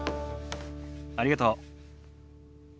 ありがとう。